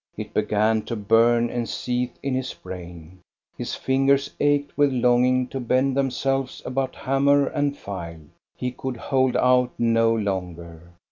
It began to burn and seethe in his brain; his fingers ached with longing to bend themselves about hammer and file ; he could hold out no longer.